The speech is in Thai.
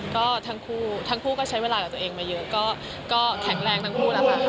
ก็ทั้งคู่ทั้งคู่ก็ใช้เวลากับตัวเองมาเยอะก็แข็งแรงทั้งคู่แล้วค่ะ